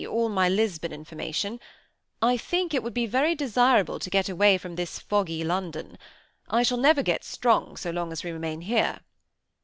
all my Lisbon information, I think it would be very desirable to get away from this foggy London. I shall never get strong, so long as we remain here."